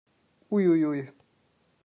Ui ui ui!